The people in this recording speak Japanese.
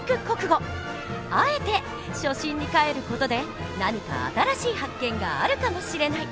あえて初心にかえる事で何か新しい発見があるかもしれない！